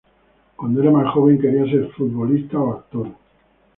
Cuando era más joven, quería ser futbolista o actor.